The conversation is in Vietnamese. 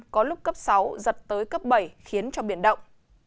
có lúc cấp sáu giật tới cấp bảy khiến cho biển động